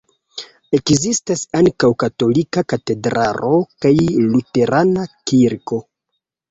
Ekzistas ankaŭ katolika katedralo kaj luterana kirko.